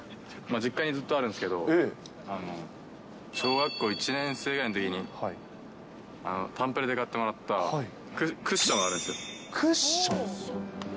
実家にずっとあるんですけど、小学校１年生ぐらいのときに、誕プレで買ってもらったクッションあるんですよ。